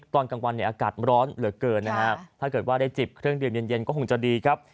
ตอนกลางวันเนี่ยอากาศร้อนเหลือเกินนะครับถ้าเกิดว่าได้จิบเครื่องดื่มเย็นเย็นก็คงจะดีครับ